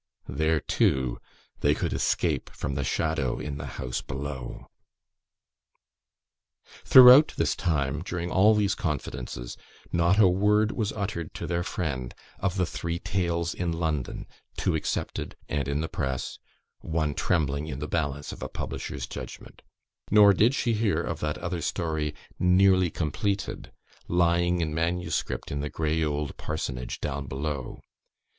There, too, they could escape from the Shadow in the house below. Throughout this time during all these confidences not a word was uttered to their friend of the three tales in London; two accepted and in the press one trembling in the balance of a publisher's judgment; nor did she hear of that other story "nearly completed," lying in manuscript in the grey old parsonage down below.